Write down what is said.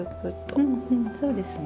うんうんそうですね。